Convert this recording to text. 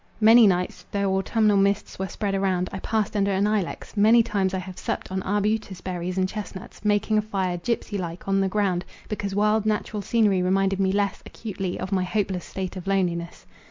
Many nights, though autumnal mists were spread around, I passed under an ilex—many times I have supped on arbutus berries and chestnuts, making a fire, gypsy like, on the ground—because wild natural scenery reminded me less acutely of my hopeless state of loneliness.